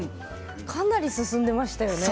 かなり進んでいましたよね。